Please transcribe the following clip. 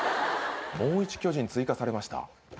もう１巨人追加されました。